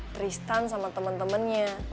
tristan sama temen temennya